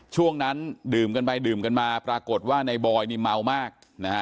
ช่วงนั้นดื่มกันไปดื่มกันมาปรากฏว่าในบอยนี่เมามากนะฮะ